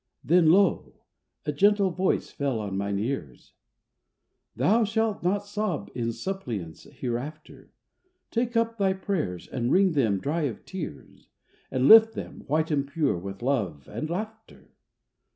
Then, lo! A gentle voice fell on mine ears "Thou shalt not sob in suppliance hereafter; Take up thy prayers and wring them dry of tears, And lift them, white and pure with love and laughter!"